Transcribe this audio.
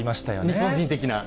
日本人的な。